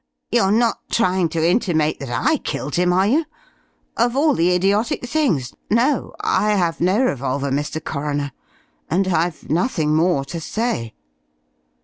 You're not trying to intimate that I killed him, are you? Of all the idiotic things! No, I have no revolver, Mr. Coroner. And I've nothing more to say."